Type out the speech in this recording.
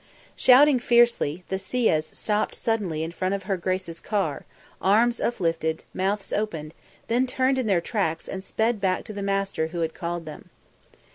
Shouting fiercely, the siyas stopped suddenly in front of her grace's car, arms uplifted, mouths open, then turned in their tracks and sped back to the master who had called them.